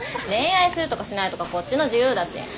恋愛するとかしないとかこっちの自由だし。